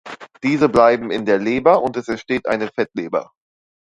Diese bleiben in der Leber, und es entsteht eine Fettleber.